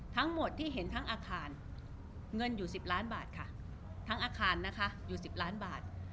ทั้งหมดที่เห็นทั้งอาคารเงินอยู่๑๐ล้านบาทค่ะทั้งอาคารนะคะอยู่๑๐ล้านบาท